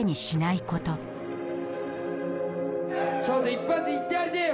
「一発言ってやりてえよ。